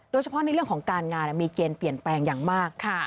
ในเรื่องของการงานมีเกณฑ์เปลี่ยนแปลงอย่างมาก